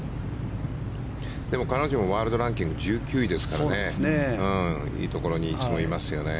でも、彼女もワールドランキング１９位ですからいいところにいつもいますよね。